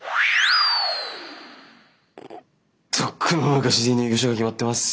とっくの昔に入居者が決まってます。